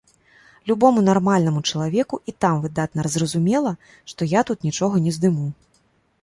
Любому нармальнаму чалавеку і там выдатна зразумела, што я тут нічога не здыму!